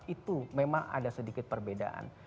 itu memang ada sedikit perbedaan